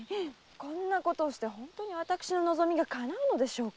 こんなことして本当に私の望みがかなうのでしょうか？